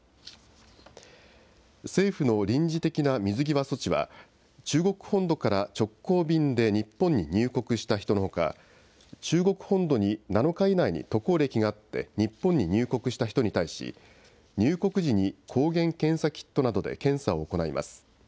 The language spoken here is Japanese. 政府の臨時的な水際措置は、中国本土から直行便で日本に入国した人のほか、中国本土に７日以内に渡航歴があって、日本に入国した人に対し、入国時に抗原検査キットなどで検査を行います。